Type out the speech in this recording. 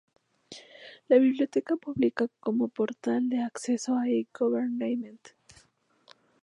La biblioteca pública como portal de acceso al e-government.